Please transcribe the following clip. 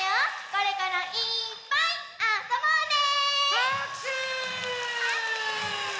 これからいっぱいあそぼうね！はくしゅ！